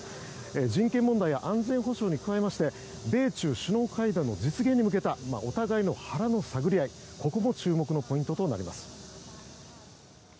人権問題や安全保障に加えて米中首脳会談の実現に向けたお互いの腹の探り合いここも注目のポイントとなります。